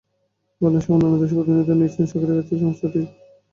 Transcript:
বাংলাদেশসহ অন্য দেশের প্রতিনিধিরা নিজ নিজ সরকারের কাছে সমস্যাটি তুলে ধরবেন।